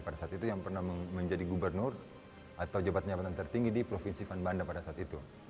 pada saat itu yang pernah menjadi gubernur atau jabatan jabatan tertinggi di provinsi vanbanda pada saat itu